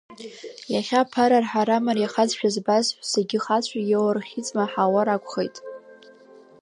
Иахьа аԥара арҳара мариахазшәа збаз ҳәсагьы хацәагьы ор, хьи змаҳауа ракәхеит.